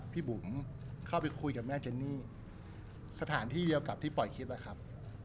บุ๋มเข้าไปคุยกับแม่เจนนี่สถานที่เดียวกับที่ปล่อยคลิปนะครับ